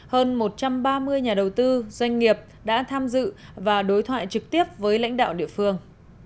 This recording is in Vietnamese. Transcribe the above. hơn một trăm ba mươi nhà đầu tư doanh nghiệp đã tham dự và đối thoại trực tiếp với lãnh đạo địa phương